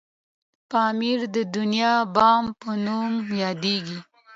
پامير د دنيا بام په نوم یادیږي.